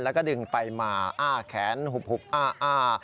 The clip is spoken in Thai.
แล้วก็ดึงไปมาอ้าแขนหุบอ้า